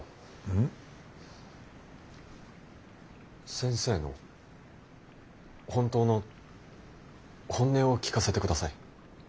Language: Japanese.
先生の本当の本音を聞かせてください。